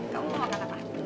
kau mau gak kata